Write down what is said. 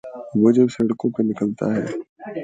وہ جب سڑکوں پہ نکلتا ہے۔